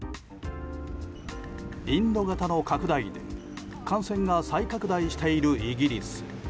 インド型の拡大で感染が再拡大しているイギリス。